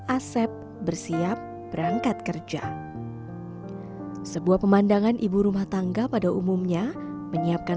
asep bersiap berangkat kerja sebuah pemandangan ibu rumah tangga pada umumnya menyiapkan